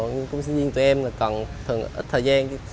những công nhân sinh viên tụi em là cần thường ít thời gian